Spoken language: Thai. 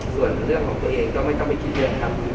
ส่วนเรื่องของตัวเองก็ไม่ต้องไปคิดเยอะครับ